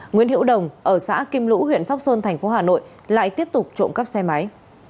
nguyễn hữu đồng ở xã kim lũ huyện sóc sơn thành phố hà nội lại tiếp tục trộm cắp xe máy